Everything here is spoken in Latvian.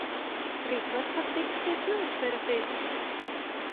Ritvars pat tika pie smilšu terapijas.